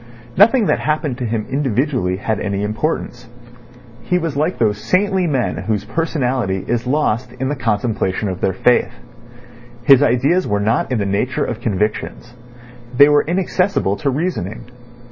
Nothing that happened to him individually had any importance. He was like those saintly men whose personality is lost in the contemplation of their faith. His ideas were not in the nature of convictions. They were inaccessible to reasoning.